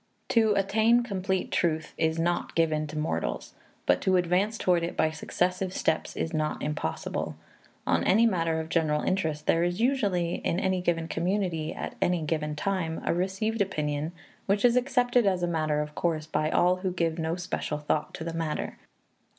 To attain complete truth is not given to mortals, but to advance toward it by successive steps is not impossible. On any matter of general interest, there is usually, in any given community at any given time, a received opinion, which is accepted as a matter of course by all who give no special thought to the matter.